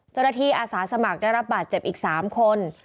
เจ้าหน้าที่อาสาสมัครได้รับบาดเจ็บอีกสามคน